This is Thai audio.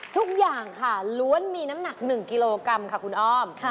ทุกอย่างค่ะล้วนมีน้ำหนัก๑กิโลกรัมค่ะคุณอ้อม